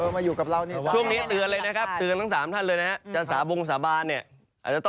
มาอยู่กับเราช่วงนี้ตื่อนเลยนะครับจะสาบงอลิงค์สาบานเนี่ย